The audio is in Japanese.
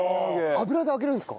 油で揚げるんですか？